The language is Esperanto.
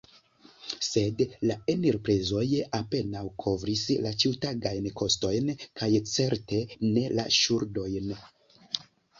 Sed la enirprezoj apenaŭ kovris la ĉiutagajn kostojn kaj certe ne la ŝuldojn.